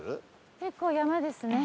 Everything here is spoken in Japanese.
結構山ですね。